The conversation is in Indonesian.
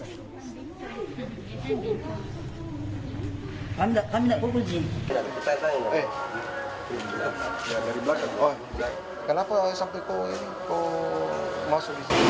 saat ini seorang laki laki yang menggunakan pakaian perempuan serta bercadar